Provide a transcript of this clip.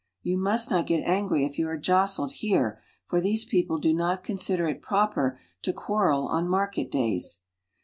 You \ must not get angry if you are jostled here, for these peo ple do not consider it proper to quarrel on market days.